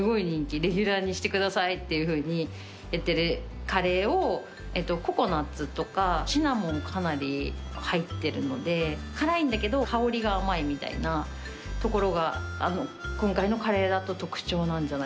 レギュラーにしてくださいっていうふうに言ってるカレーをココナッツとかシナモンかなり入ってるので辛いんだけど香りが甘いみたいなところが今回のカレーだと特徴なんじゃないかなって。